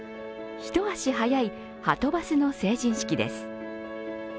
一足早い、はとバスの成人式です。